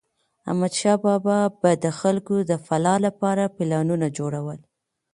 احمدشاه بابا به د خلکو د فلاح لپاره پلانونه جوړول.